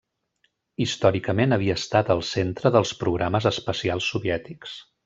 Històricament havia estat el centre dels programes espacials soviètics.